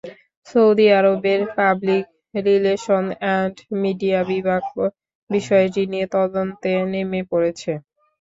Saudi আরবের public relation and media বিভাগ বিষয়টি নিয়ে তদন্তে নেমে পড়েছে।